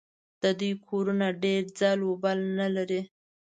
د دوی کورونه ډېر ځل و بل نه لري.